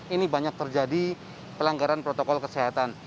ini banyak terjadi pelanggaran protokol kesehatan